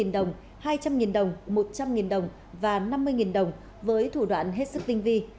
hai trăm linh đồng hai trăm linh đồng một trăm linh đồng và năm mươi đồng với thủ đoạn hết sức tinh vi